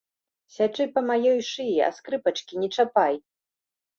Сячы па маёй шыі, а скрыпачкі не чапай!